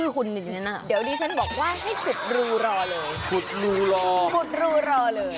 ขุดรูรอเลย